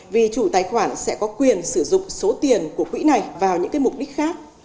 vì chủ tài khoản sẽ có quyền sử dụng số tiền của quỹ này vào những mục đích khác